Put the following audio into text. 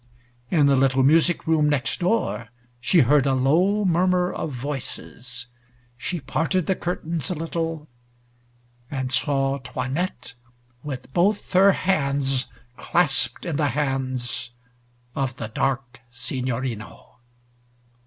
In the little music room next door she heard a low murmur of voices. She parted the curtains a little, and saw 'Toinette with both her hands clasped in the hands of the dark Signorino.